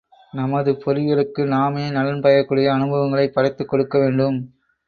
நமது பொறிகளுக்கு நாமே நலம் பயக்கக்கூடிய அனுபவங்களைப் படைத்துக் கொடுக்க வேண்டும்.